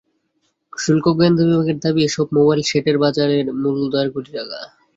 শুল্ক গোয়েন্দা বিভাগের দাবি, এসব মোবাইল সেটের বাজার মূল্য দেড় কোটি টাকা।